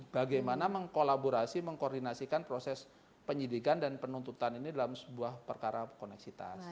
bagaimana mengkolaborasi mengkoordinasikan proses penyidikan dan penuntutan ini dalam sebuah perkara koneksitas